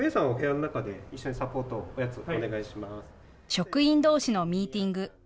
職員どうしのミーティング。